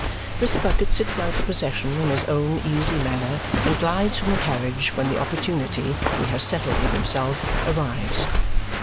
Mr. Bucket sits out the procession in his own easy manner and glides from the carriage when the opportunity he has settled with himself arrives.